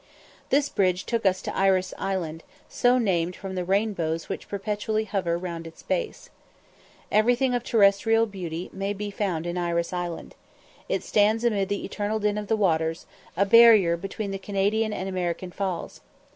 This bridge took us to Iris Island, so named from the rainbows which perpetually hover round its base. Everything of terrestrial beauty may be found in Iris Island. It stands amid the eternal din of the waters, a barrier between the Canadian and American Falls.